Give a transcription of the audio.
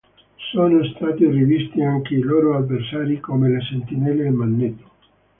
Sono stati rivisti anche i loro avversari, come le Sentinelle e Magneto.